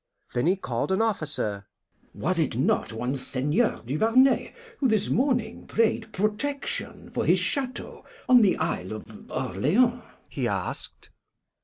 Then he called an officer. "Was it not one Seigneur Duvarney who this morning prayed protection for his chateau on the Isle of Orleans?" he asked.